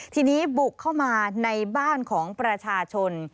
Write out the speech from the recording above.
ทีนี้บุกเข้ามาในบ้านของประชาชน